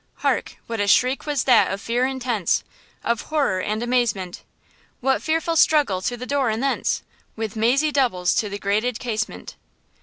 "Hark! what a shriek was that of fear intense, Of horror and amazement! What fearful struggle to the door and thence With mazy doubles to the grated casement!"